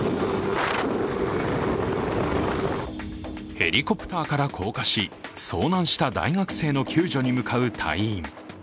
ヘリコプターから降下し遭難した大学生の救助に向かう隊員。